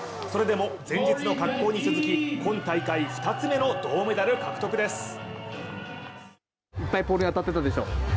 それでも前日の滑降に続き今大会２つ目の銅メダル獲得です。